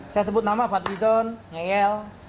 saya sebut nama fadlizon ngeyel